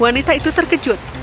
wanita itu terkejut